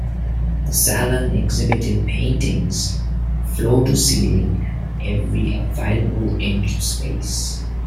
The Salon exhibited paintings floor-to-ceiling and on every available inch of space.